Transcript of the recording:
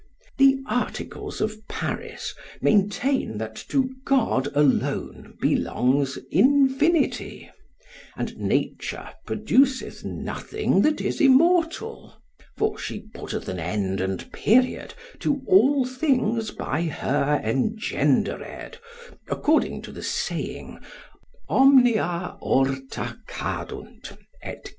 The articles of Paris maintain that to God alone belongs infinity, and nature produceth nothing that is immortal; for she putteth an end and period to all things by her engendered, according to the saying, Omnia orta cadunt, &c.